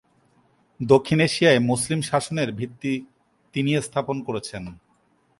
দক্ষিণ এশিয়ায় মুসলিম শাসনের ভিত্তি তিনি স্থাপন করেছেন।